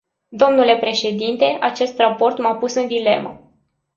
Dle președinte, acest raport m-a pus în dilemă.